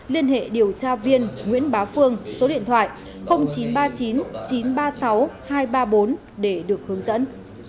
liên hệ điều tra viên nguyễn bá phương số điện thoại chín trăm ba mươi chín chín trăm ba mươi sáu hai trăm ba mươi bốn để được hướng dẫn